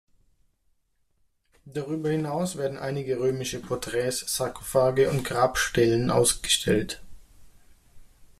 Darüber hinaus werden einige römische Porträts, Sarkophage und Grabstelen ausgestellt.